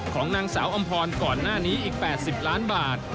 ของนางสาวอำพรก่อนหน้านี้อีก๘๐ล้านบาท